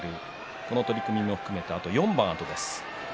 この取組も含めてあと４番です。